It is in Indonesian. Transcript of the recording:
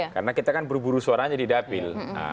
karena kita kan berburu buru suaranya di dapil